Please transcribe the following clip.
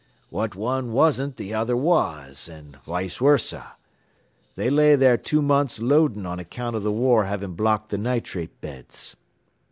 "What one wasn't th' other was, and wice wersa. They lay there two months loadin' on account o' th' war having blocked th' nitrate beds.